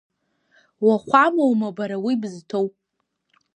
Уахәамоума бара уи бызҭоу?